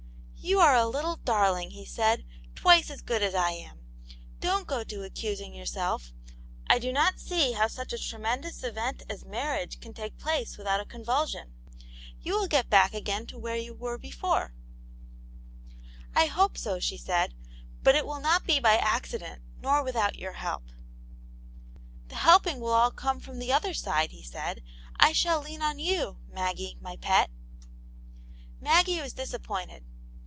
" You are a little darling," he said ;" twice as good as I am. Don't go to accusing yourself. I do not see how such a tremendous event as marriage can take place without a convulsion. You will get back again to where you were before " Aunt Janets Hero. 107 "I hope so," she said; "but it will not be by accident, nor without your help." " The helping will all come from the other side/* he said. '* I shall lean on you, Maggie, my pet." Maggie was disappointed.